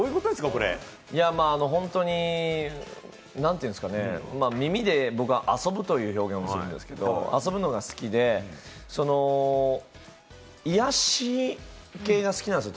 これは。何て言うんですかね、耳で僕は遊ぶという表現をするんですけれども、遊ぶのが好きで、癒やし系が好きなんですよ。